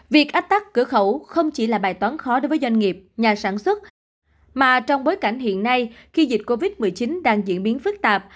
việc ách tắc cửa khẩu không chỉ là bài toán khó đối với doanh nghiệp nhà sản xuất mà trong bối cảnh hiện nay khi dịch covid một mươi chín đang diễn biến phức tạp